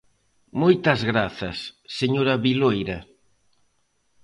Moitas grazas, señora Viloira.